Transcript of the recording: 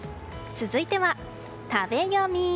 続いては、食べヨミ。